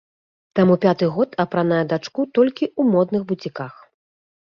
Таму пяты год апранае дачку толькі ў модных буціках.